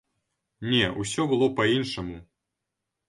Не, усё было па-іншаму.